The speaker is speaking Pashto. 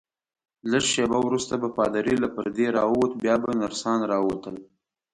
لږ شیبه وروسته به پادري له پردې راووت، بیا به نرسان راووتل.